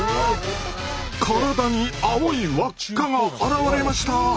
体に青い輪っかが現れました。